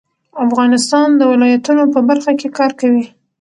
افغانستان د ولایتونو په برخه کې کار کوي.